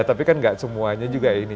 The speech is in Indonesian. tapi kan gak semuanya juga ini